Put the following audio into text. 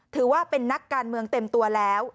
ถือว่าเป็นนักการเมืองเต็มตัวแล้ว